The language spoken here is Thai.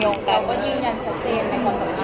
เขาก็ยืนยันชัดเจนให้หมดกัน